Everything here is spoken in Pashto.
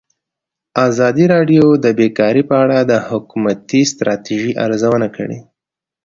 ازادي راډیو د بیکاري په اړه د حکومتي ستراتیژۍ ارزونه کړې.